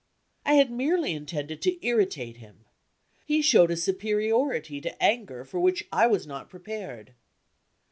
I had merely intended to irritate him. He showed a superiority to anger for which I was not prepared.